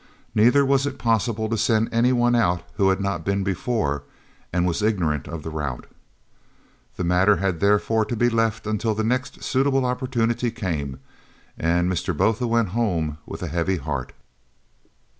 Neither was it possible to send any one out who had not been before and was ignorant of the route. The matter had therefore to be left until the next suitable opportunity came and Mr. Botha went home with a heavy heart.